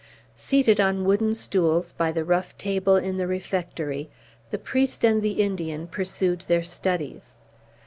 Seated on wooden stools by the rough table in the refectory, the priest and the Indian pursued their studies.